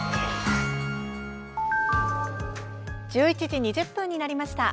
１１時２０分になりました。